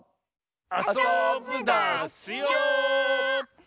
あそぶダスよ！